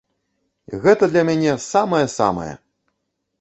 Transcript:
Гэта для мяне самае-самае!